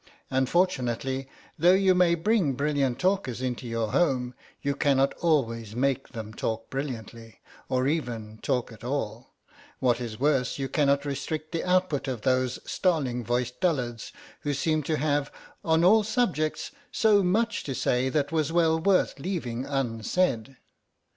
Unfortunately, though you may bring brilliant talkers into your home, you cannot always make them talk brilliantly, or even talk at all; what is worse you cannot restrict the output of those starling voiced dullards who seem to have, on all subjects, so much to say that was well worth leaving unsaid.